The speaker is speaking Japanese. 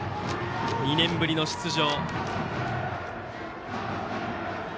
２年ぶりの出場。